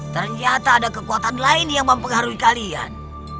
ternyata ada kekuatan lain yang mempengaruhi kalian